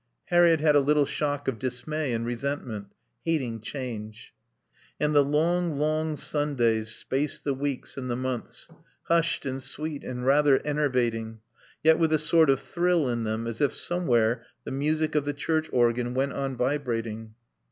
Harriett had a little shock of dismay and resentment, hating change. And the long, long Sundays spaced the weeks and the months, hushed and sweet and rather enervating, yet with a sort of thrill in them as if somewhere the music of the church organ went on vibrating.